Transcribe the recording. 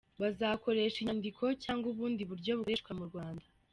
Bazakoresha inyandiko cyangwa ubundi buryo bukoreshwa mu Rwanda.